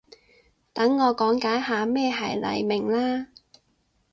等我講解下咩係黎明啦